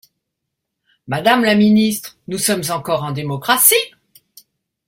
Madame la ministre, nous sommes encore en démocratie.